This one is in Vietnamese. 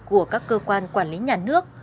của các cơ quan quản lý nhà nước